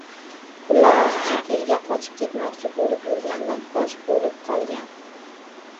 — Xullas, chet elga qochib ketmoqchi bo‘lib yurganda... fosh bo‘lib qolgan!